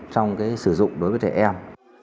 trong sử dụng đối với trẻ em